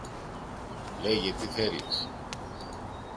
Λέγε, τι θέλεις;